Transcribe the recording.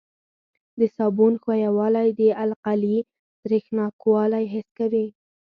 د صابون ښویوالی د القلي سریښناکوالی حس کوي.